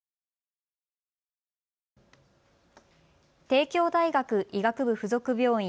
帝京大学医学部附属病院